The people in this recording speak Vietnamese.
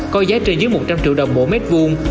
có giá trên dưới một trăm linh triệu đồng mỗi mét vuông